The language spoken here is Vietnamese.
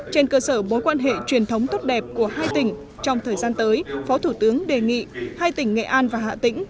trên cơ sở mối quan hệ truyền thống tốt đẹp của hai tỉnh trong thời gian tới phó thủ tướng đề nghị hai tỉnh nghệ an và hạ tĩnh